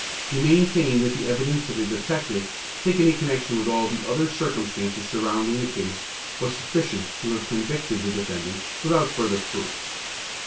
He maintained that the evidence of the detective, taken in connection with all the other circumstances surrounding the case, was sufficient to have convicted the defendant, without further proof.